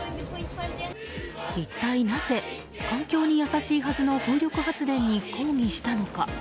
一体なぜ、環境に優しいはずの風力発電に抗議したのか。